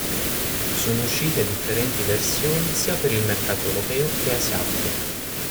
Sono uscite differenti versioni sia per il mercato europeo che asiatico.